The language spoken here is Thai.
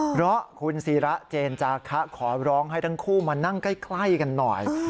เพราะคุณศิระเจนจาคะขอร้องให้ทั้งคู่มานั่งใกล้กันหน่อย